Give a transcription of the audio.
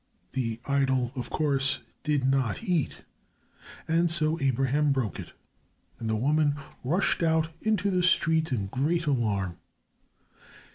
The idol, of course, did not eat, and so Abraham broke it, and the woman rushed out into the street in great alarm.